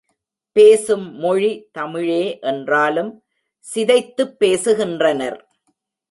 பேசும் மொழி தமிழே என்றாலும் சிதைத்துப் பேசுகின்றனர்.